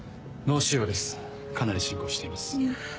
脳腫瘍ですかなり進行しています。